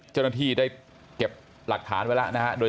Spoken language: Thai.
เจ้าหน้าที่ได้เก็บหลักฐานไว้แล้วนะฮะ